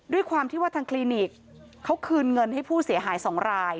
ด้วยความที่ว่าทางคลินิกเขาคืนเงินให้ผู้เสียหาย๒ราย